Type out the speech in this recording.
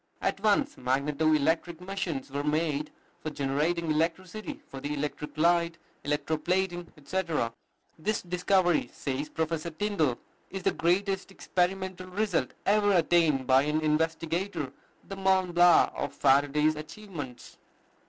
At once magneto electric machines were made for generating electricity for the electric light, electro plating, etc. This discovery, says Professor Tyndall, "is the greatest experimental result ever attained by an investigator, the Mont Blanc of Faraday's achievements."